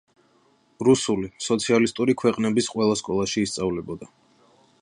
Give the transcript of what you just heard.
რუსული სოციალისტური ქვეყნების ყველა სკოლაში ისწავლებოდა.